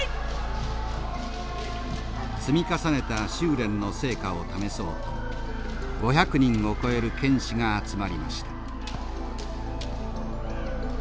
積み重ねた修練の成果を試そうと５００人を超える剣士が集まりました。